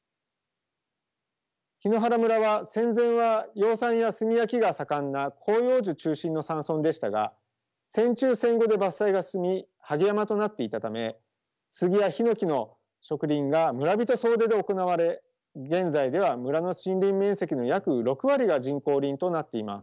檜原村は戦前は養蚕や炭焼きが盛んな広葉樹中心の山村でしたが戦中戦後で伐採が進みはげ山となっていたためスギやヒノキの植林が村人総出で行われ現在では村の森林面積の約６割が人工林となっています。